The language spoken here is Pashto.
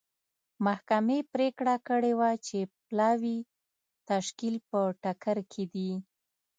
محکمې پرېکړه کړې وه چې پلاوي تشکیل په ټکر کې دی.